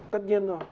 tất nhiên rồi